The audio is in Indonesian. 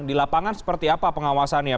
di lapangan seperti apa pengawasannya